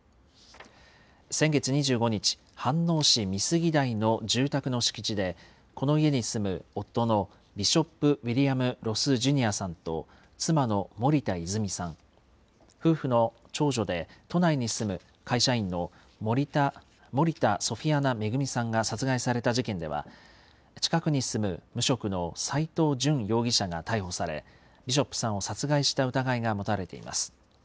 先月２５日、飯能市美杉台の住宅の敷地で、この家に住む夫のビショップ・ウィリアム・ロス・ジュニアさんと妻の森田泉さん、夫婦の長女で都内に住む会社員の森田ソフィアナ恵さんが殺害された事件では、近くに住む無職の斎藤淳容疑者が逮捕され、ビショップさんを殺害した疑いが持たれています。